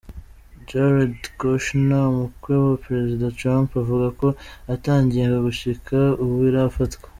Jared Kushner, umukwe wa prezida Trump avuga ko ata ngingo gushika ubu irafatwa.